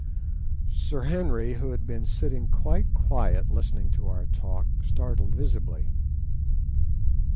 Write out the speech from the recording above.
Sir Henry, who had been sitting quite quiet listening to our talk, started visibly.